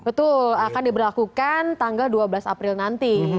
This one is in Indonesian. betul akan diberlakukan tanggal dua belas april nanti